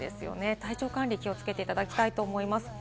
体調管理、気をつけていただきたいと思います。